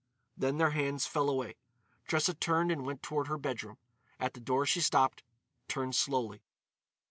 Then their hands fell away. Tressa turned and went toward her bedroom. At the door she stopped, turned slowly.